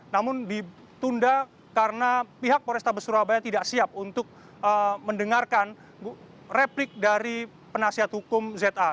namun ditunda karena pihak polrestabes surabaya tidak siap untuk mendengarkan replik dari penasihat hukum za